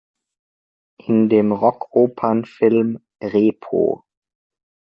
In dem Rockopern-Film "Repo!